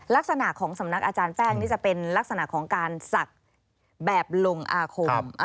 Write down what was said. ลักษณะของสำนักอาจารย์แป้งนี่จะเป็นลักษณะของการศักดิ์แบบลงอาคม